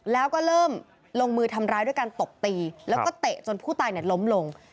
แล้วก็เริ่มลงมือทำร้ายด้วยการตบตีแล้วก็เตะจนผู้ตายล้มลง